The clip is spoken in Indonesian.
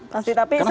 pasti tapi semangat